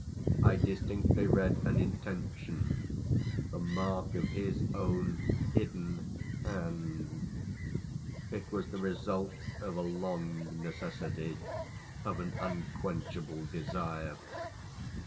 I distinctly read an intention, the mark of his own hidden hand. It was the result of a long necessity, of an unquenchable desire.